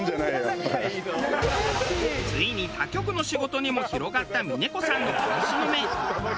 ついに他局の仕事にも広がった峰子さんの監視の目。